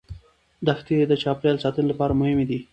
دښتې د چاپیریال ساتنې لپاره مهمې دي.